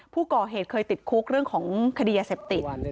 ผู้ก่อเหตุเคยติดคุกเรื่องของคดียาเสพติด